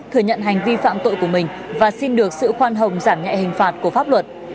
thừa nhận hành vi phạm tội của mình và xin được sự khoan hồng giảm nhẹ hình phạt của pháp luật